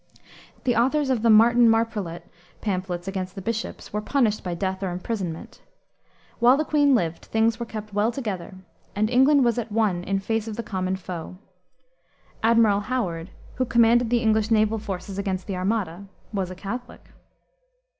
The authors of the Martin Marprelate pamphlets against the bishops, were punished by death or imprisonment. While the queen lived things were kept well together and England was at one in face of the common foe. Admiral Howard, who commanded the English naval forces against the Armada, was a Catholic.